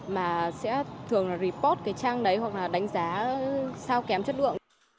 mà sẽ thường là report cái trang đấy hoặc là đánh giá sao kém chất lượng